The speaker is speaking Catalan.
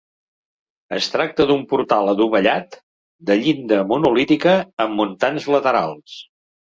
Es tracta d’un portal adovellat, de llinda monolítica amb muntants laterals.